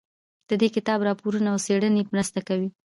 د دې کتاب راپورونه او څېړنې مرسته کوي.